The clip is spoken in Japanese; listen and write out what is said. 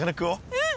うん！